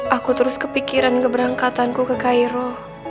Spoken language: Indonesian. aku terus kepikiran keberangkatanku ke cairo